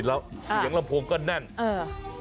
เสียงละพวงก็แน่นเออ